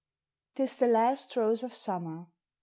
'T IS THE LAST ROSE OF SUMMER.